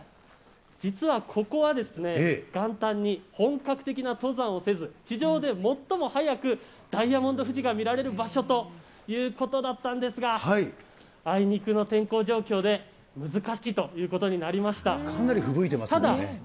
実はここは、元旦に本格的な登山をせず、地上で最も早く、ダイヤモンド富士が見られる場所ということだったんですが、あいにくの天候状況で、かなりふぶいてますね。